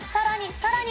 さらに